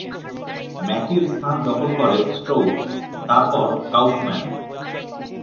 ম্যাকির স্থান দখল করে স্ট্রোউস, তারপর কাউফম্যান।